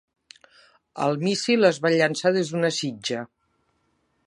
El míssil es va llançar des d'una sitja.